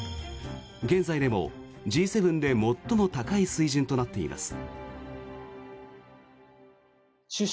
現在でもＧ７で最も高い水準となっています。